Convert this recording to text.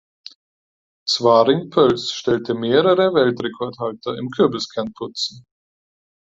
Zwaring-Pöls stellte mehrere Weltrekordhalter im Kürbiskern-Putzen.